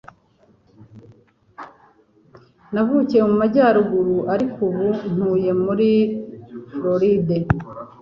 Navukiye mu majyaruguru, ariko ubu ntuye muri Floride.